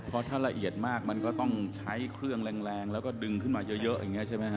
เพราะถ้าละเอียดมากมันก็ต้องใช้เครื่องแรงแล้วก็ดึงขึ้นมาเยอะอย่างนี้ใช่ไหมฮ